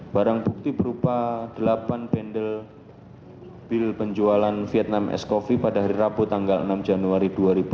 barang bukti berupa delapan pendel bil penjualan vietnamese coffee pada hari rabu tanggal enam januari dua ribu enam belas